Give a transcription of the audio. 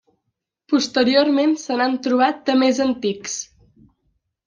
Posteriorment se n'han trobat de més antics.